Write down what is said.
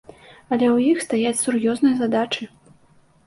Але ў іх стаяць сур'ёзныя задачы.